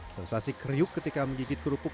sensasi kriuk ketika menjijit kerupuk